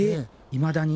いまだに？